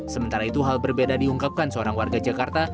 sementara itu hal berbeda diungkapkan seorang warga jakarta